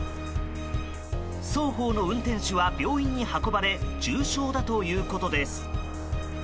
双方の運転手は病院に運ばれ重傷だということです。